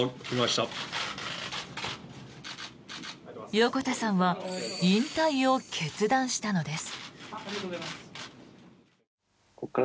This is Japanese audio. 横田さんは引退を決断したのです。